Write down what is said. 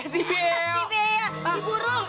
si beo si burung